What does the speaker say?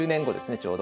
ちょうど。